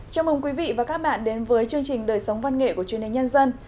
chào mừng quý vị và các bạn đến với chương trình đời sống văn nghệ của truyền hình nhân dân